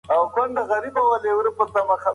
پر بالکن باندې د واورې نرۍ لمنه غوړېدلې وه.